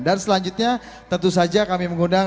dan selanjutnya tentu saja kami mengundang